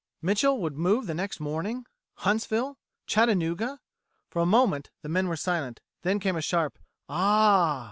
Mitchel would move the next morning! Huntsville! Chattanooga! For a moment the men were silent; then came a sharp "Ah!"